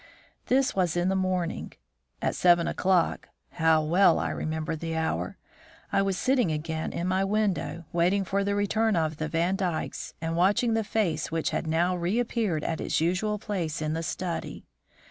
This was in the morning. At seven o'clock how well I remember the hour! I was sitting again in my window, waiting for the return of the Vandykes, and watching the face which had now reappeared at its usual place in the study.